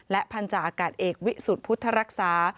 พันธาอากาศเอกวิสุทธิ์พุทธรักษา